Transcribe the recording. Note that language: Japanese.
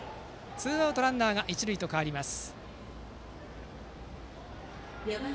ツーアウトランナー、一塁と変わります。